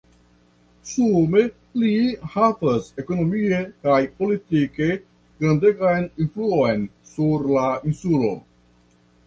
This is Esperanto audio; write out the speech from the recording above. Sume li havas ekonomie kaj politike grandegan influon sur la insulo.